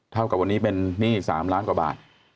เท่ากับวันนี้เป็นนี่อีกสามล้านกว่าบาท